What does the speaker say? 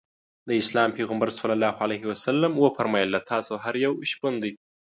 د اسلام پیغمبر ص وفرمایل له تاسو هر یو شپون دی.